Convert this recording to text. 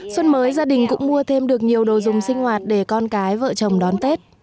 xuân mới gia đình cũng mua thêm được nhiều đồ dùng sinh hoạt để con cái vợ chồng đón tết